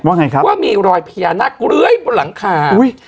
ไงครับว่ามีรอยพญานาคเลื้อยบนหลังคาอุ้ย